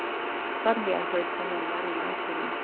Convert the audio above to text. Suddenly I heard someone running after me.